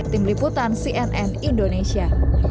tim liputan cnn indonesia